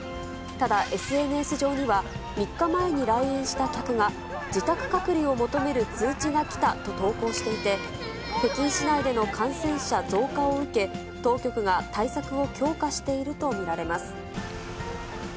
ただ、ＳＮＳ上には、３日前に来園した客が自宅隔離を求める通知が来たと投稿していて、北京市内での感染者増加を受け、当局が対策を強化していると見られます。